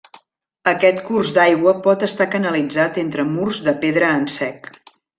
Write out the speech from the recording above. Aquest curs d'aigua pot estar canalitzat entre murs de pedra en sec.